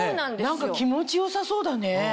何か気持ち良さそうだね。